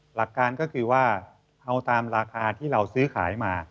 หลักการก็คือว่าเอาตามราคาที่เราซื้อขายมา